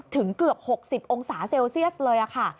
เกือบ๖๐องศาเซลเซียสเลยค่ะ